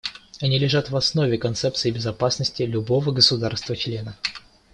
Они лежат в основе концепций безопасности любого государства-члена.